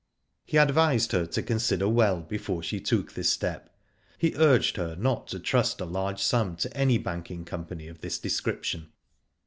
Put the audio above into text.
He advised her to consider well before she took this step. He urged her not to trust a large sum to any banking company of this description.